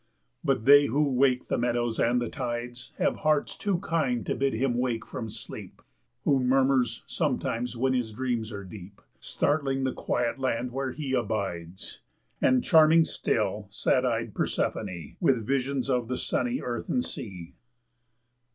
But they who wake the meadows and the tides Have hearts too kind to bid him wake from sleep Who murmurs sometimes when his dreams are deep, Startling the Quiet Land where he abides, And charming still, sad eyed Persephone With visions of the sunny earth and sea.